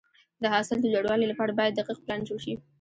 د حاصل د لوړوالي لپاره باید دقیق پلان جوړ شي.